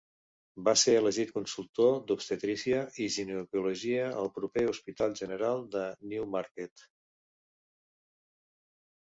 Va ser elegit consultor d'Obstetrícia i Ginecologia al proper Hospital General de Newmarket.